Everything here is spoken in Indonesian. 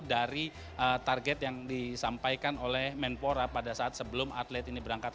dari target yang disampaikan oleh menpora pada saat sebelum atlet ini berangkat